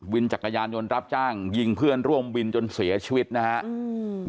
จักรยานยนต์รับจ้างยิงเพื่อนร่วมวินจนเสียชีวิตนะฮะอืม